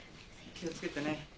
気をつけてね。